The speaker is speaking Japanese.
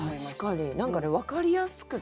何かね分かりやすくて。